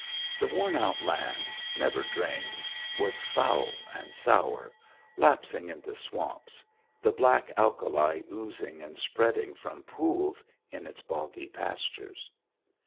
The worn out land, never drained, was foul and sour, lapsing into swamps, the black alkali oozing and spreading from pools in its boggy pastures.